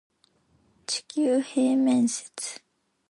地球平面説